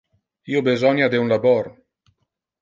Io besonia de un labor.